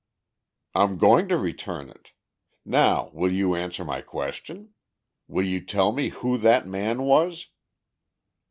"I'm going to return it. Now, will you answer my question? Will you tell me who that man was?"